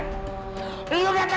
ketika di rumah